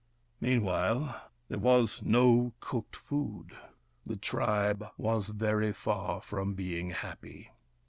Meanwhile, there was no cooked food. The tribe was very far from being happy.